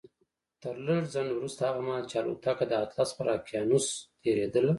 تر لږ ځنډ وروسته هغه مهال چې الوتکه د اطلس پر اقيانوس تېرېدله.